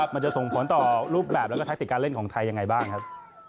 มันจะส่งผลต่อรูปแบบและการเล่นของไทยยังไงบ้างครับ